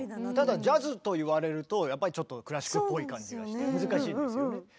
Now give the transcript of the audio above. ただジャズと言われるとやっぱりちょっとクラシックっぽい感じがして難しいんですよね。